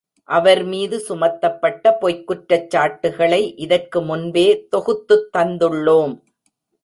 அவர் மீது சுமத்தப்பட்ட பொய்க் குற்றச் சாட்டுக்களை இதற்கு முன்பே தொகுத்துத் தந்துள்ளோம்.